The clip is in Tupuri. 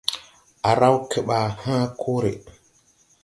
A raw keɓaa hãã kore.